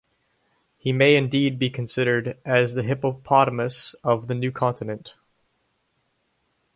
He may indeed be considered as the hippopotamus of the new continent.